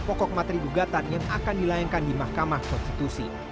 pokok materi dugatan yang akan dilayankan di mahkamah konstitusi